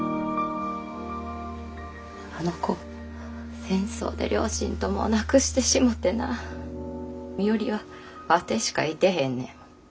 あの子戦争で両親とも亡くしてしもてな身寄りはあてしかいてへんねん。